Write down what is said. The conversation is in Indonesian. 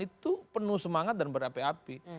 itu penuh semangat dan berapi api